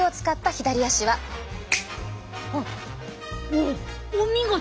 おっお見事！